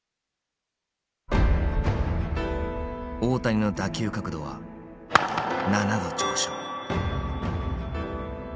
大谷の打球角度は７度上昇。